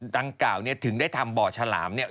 ดังกล่าวเนี่ยถึงได้ทำบ่อฉลามเนี่ย